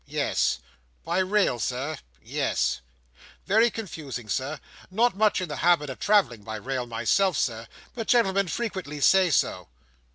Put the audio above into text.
"Yes" "By rail, Sir?" "Yes" "Very confusing, Sir. Not much in the habit of travelling by rail myself, Sir, but gentlemen frequently say so."